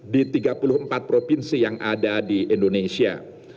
di tiga puluh empat provinsi yang ada di indonesia